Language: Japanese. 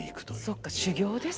そっか修業ですね。